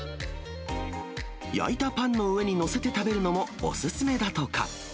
焼いたパンの上に載せて食べるのもお勧めだとか。